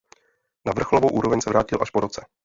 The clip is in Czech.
Na vrcholovou úroveň se vrátil až po roce.